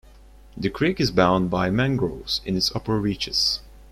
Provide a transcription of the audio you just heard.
The creek is bound by mangroves in its upper reaches.